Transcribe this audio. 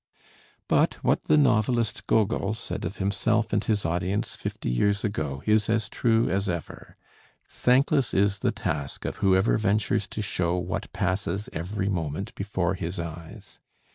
But what the novelist Gogol said of himself and his audience fifty years ago is as true as ever: "Thankless is the task of whoever ventures to show what passes every moment before his eyes."